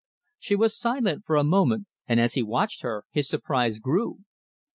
She was silent for a moment, and as he watched her his surprise grew.